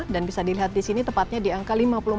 dan bisa dilihat di sini tepatnya di angka